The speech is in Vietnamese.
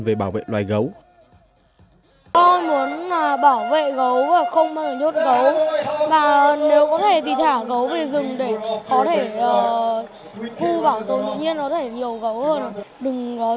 về bảo vệ loài gấu